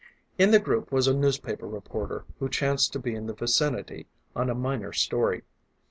In the group was a newspaper reporter who chanced to be in the vicinity on a minor story.